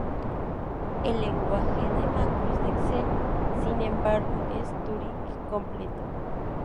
El lenguaje de macros de Excel, sin embargo, es Turing completo.